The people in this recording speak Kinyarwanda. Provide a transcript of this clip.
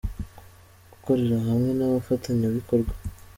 gukorera hamwe n’abafatanyabikorwa.